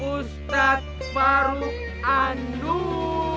ustadz faruk andun